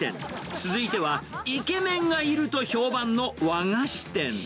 続いてはイケメンがいると評判の和菓子店。